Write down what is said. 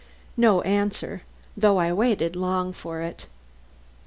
No answer, though I waited long for it.